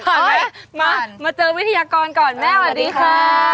เอาไหมมาเจอวิทยากรก่อนแม่สวัสดีค่ะ